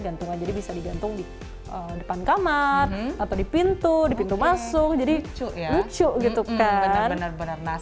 gantungan jadi bisa digantung di depan kamar atau di pintu di pintu masuk jadi lucu gitu kan benar benar